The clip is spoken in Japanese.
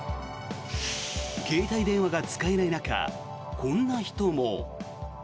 携帯電話が使えない中こんな人も。